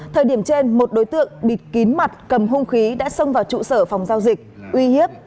thời điểm trên một đối tượng bịt kín mặt cầm hung khí đã xông vào trụ sở phòng giao dịch uy hiếp